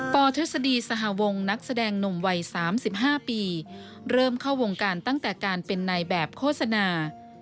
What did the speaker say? ปทฤษฎีสหวงนักแสดงหนุ่มวัย๓๕ปีเริ่มเข้าวงการตั้งแต่การเป็นนายแบบโฆษณา